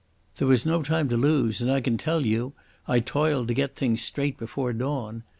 There was no time to lose, and I can tell you I toiled to get things straight before dawn.